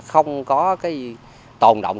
không có cái tồn động